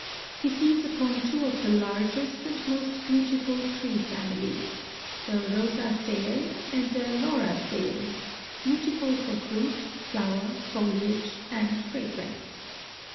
He feeds upon two of the largest and most beautiful tree families the Rosaceæ and the Lauraceæ beautiful for fruit, flower, foliage and fragrance.